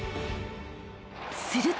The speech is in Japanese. ［すると］